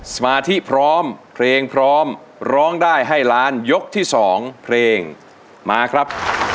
สมาธิพร้อมเพลงพร้อมร้องได้ให้ล้านยกที่๒เพลงมาครับ